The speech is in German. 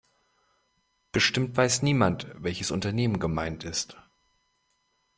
Bestimmt weiß niemand, welches Unternehmen gemeint ist.